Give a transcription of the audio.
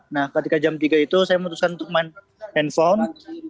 nah ketika jam tiga itu saya memutuskan untuk main handphone